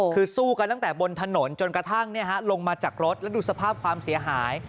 คือสู้กันตั้งแต่บนถนนจนกระทั่งลงมาจากรถแล้วดูสภาพความเสียหาย